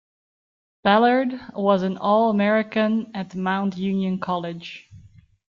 Ballard was an All-American at Mount Union College.